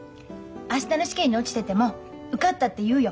明日の試験に落ちてても受かったって言うよ。